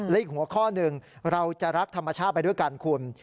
และอีกหัวข้อหนึ่งเราจะรักธรรมชาติไปด้วยกันคุณ